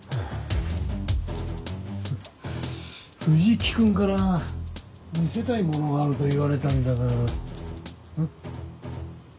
藤木君から見せたいものがあると言われたんだが。